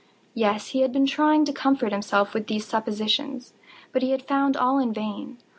Yes, he had been trying to comfort himself with these suppositions: but he had found all in vain.